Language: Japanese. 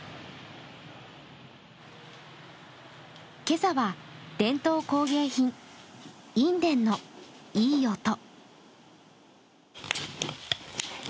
今朝は、伝統工芸品印傳のいい音。